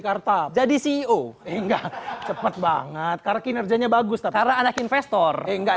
karta jadi ceo enggak cepat banget karena kinerjanya bagus tapi anak investor enggak